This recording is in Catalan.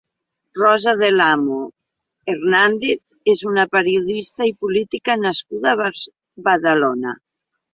Rosa del Amo Hernández és una periodista i política nascuda a Badalona.